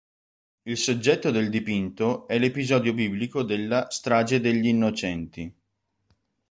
Il soggetto del dipinto è l'episodio biblico della strage degli innocenti.